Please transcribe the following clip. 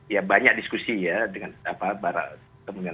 ya banyak diskusi ya